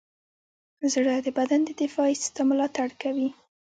زړه د بدن د دفاعي سیستم ملاتړ کوي.